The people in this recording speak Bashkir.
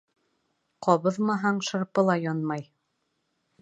Ҡабыҙмаһаң шырпы ла янмай.